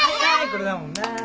これだもんな。